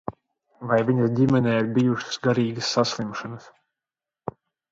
Vai viņas ģimenē ir bijušas garīgas saslimšanas?